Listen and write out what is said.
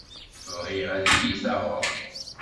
Bɣiɣ ad iyi-taɣeḍ.